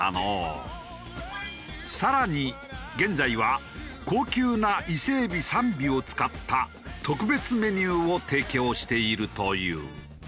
さらに現在は高級な伊勢海老３尾を使った特別メニューを提供しているという。